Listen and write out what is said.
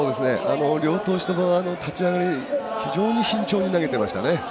両投手とも立ち上がり非常に慎重に投げていましたね。